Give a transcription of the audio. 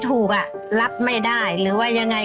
แต่แบบไม่ดื่มเหรีย